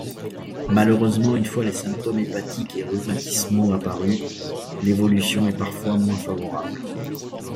Malheureusement une fois les symptômes hépatiques et rhumatismaux apparus, l'évolution est parfois moins favorable.